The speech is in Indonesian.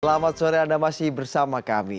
selamat sore anda masih bersama kami